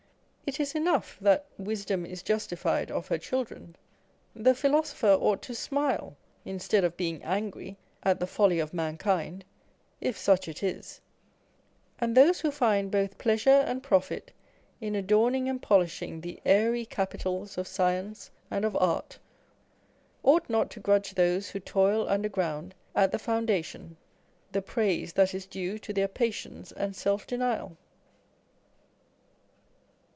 It is enough that " wisdom is justified of her children :" the philosopher ought to smile, instead of being angry at the folly of man kind (if such it is), and those who find both pleasure and profit in adorning and polishing the airy " capitals " of science and of art, ought not to grudge those who toil underground at the foundation, the praise that is due to their patience and self denial.